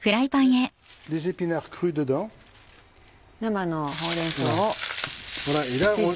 生のほうれん草を。